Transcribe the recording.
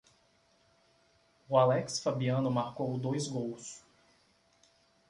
O Alex Fabiano marcou dois gols.